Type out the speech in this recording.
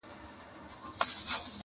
پر سر یې راوړل کشمیري د خیال شالونه-